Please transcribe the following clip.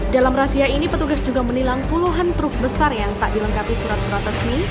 dalam razia ini petugas juga menilang puluhan truk besar yang tak dilengkapi surat surat resmi